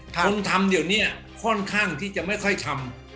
คนทำเดี๋ยวนี้ค่อนข้างที่จะไม่ค่อยทำ